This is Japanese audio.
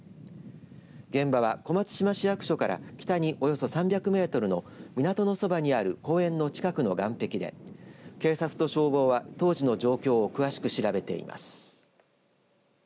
現場は、小松島市役所から北におよそ３００メートルの港のそばにある公園の近くの岸壁で警察と消防は当時の状況を詳しく調べています。